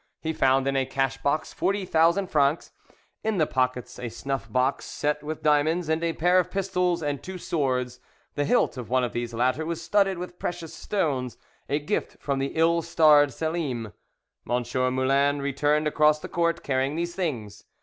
He found in a cash box 40,000 francs, in the pockets a snuff box set with diamonds, and a pair of pistols and two swords; the hilt of one of these latter was studded with precious stones, a gift from the ill starred Selim. M. Moulin returned across the court, carrying these things.